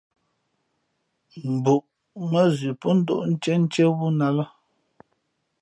Mbǔʼ mά zʉʼ pó ndóʼ ntīēntíé wú nά ā lά.